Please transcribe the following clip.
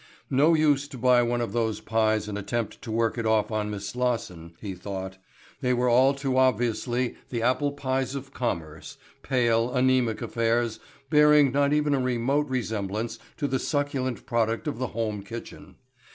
No use to buy one of those pies and attempt to work it off on Miss Slosson, he thought. They were all too obviously the apple pies of commerce, pale, anaemic affairs bearing not even a remote resemblance to the succulent product of the home kitchen.